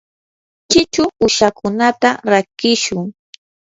chichu uushakunata rakishun.